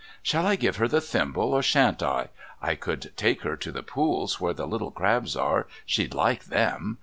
"Shall I give her the thimble or shan't I? I could take her to the pools where the little crabs are. She'd like them.